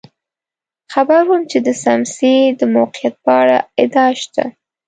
خبر وم چې د څمڅې د موقعیت په اړه ادعا شته.